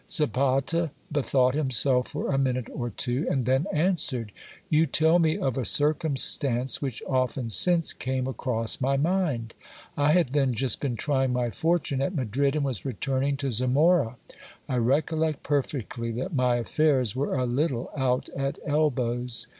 Zapata bethought him for a minute or two, and then answered : You tell me of" a circumstance which often since came across my mind. I had then just been trying my fortune at Madrid, and was returning to Zamora. I recollect perfectly that my affairs were a little out at elbows.